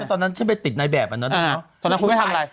ตอนนั้นฉันไปติดนายแบบอันนั้นเนอะอ่าตอนนั้นคุณไม่ทำอะไร